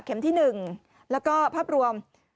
ที่๑แล้วก็ภาพรวม